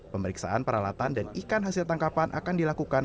pemeriksaan peralatan dan ikan hasil tangkapan akan dilakukan